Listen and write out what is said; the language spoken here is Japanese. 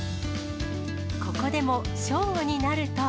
ここでも、正午になると。